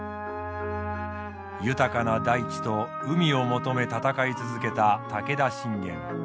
豊かな大地と海を求め戦い続けた武田信玄。